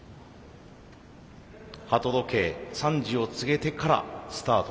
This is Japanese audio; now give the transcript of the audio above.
鳩時計３時を告げてからスタートとなります。